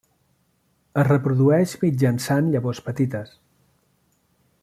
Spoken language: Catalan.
Es reprodueix mitjançant llavors petites.